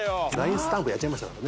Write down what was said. スタンプやっちゃいましたからね。